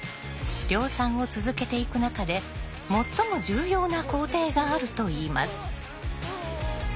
量産を続けていく中で最も重要な工程があるといいます。